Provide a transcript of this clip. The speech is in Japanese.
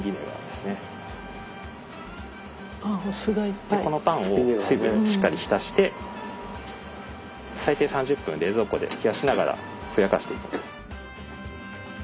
でこのパンを水分にしっかり浸して最低３０分冷蔵庫で冷やしながらふやかしていく。